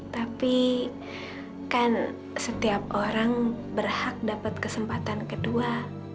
tapi kan setiap orang berhak dapat kesempatan kedua